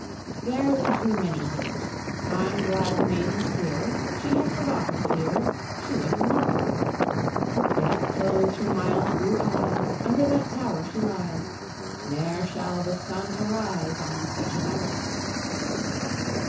"There lived we many years; Time dried the maiden's tears; She had forgot her fears, She was a mother; Death closed her mild blue eyes; Under that tower she lies; Ne'er shall the sun arise On such another.